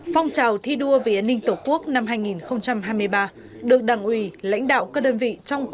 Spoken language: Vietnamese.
phong trào thi đua vì an ninh tổ quốc năm hai nghìn hai mươi ba được đảng ủy lãnh đạo các đơn vị